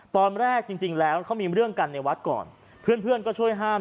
ตอนแรกจริงแล้วเขามีเรื่องกันในวัดก่อนเพื่อนเพื่อนก็ช่วยห้าม